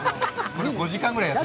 ５時間ぐらいやってる。